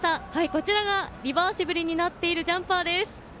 こちらがリバーシブルになっているジャンパーです。